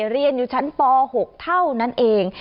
เรียนอยู่ชั้นป๖เท่านั้นเอง